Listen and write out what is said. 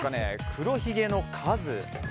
黒ひげの数。